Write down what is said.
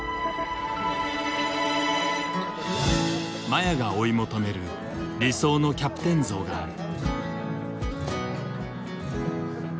麻也が追い求める理想のキャプテン像がある。